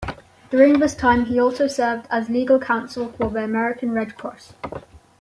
During this time he also served as legal counsel for the American Red Cross.